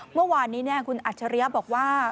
เมื่อวานนี้คุณอัจฉริยะบอกว่า